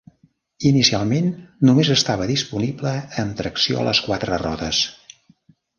Inicialment, només estava disponible amb tracció a les quatre rodes.